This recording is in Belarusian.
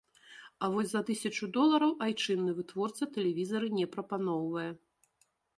А вось за тысячу долараў айчынны вытворца тэлевізары не прапаноўвае.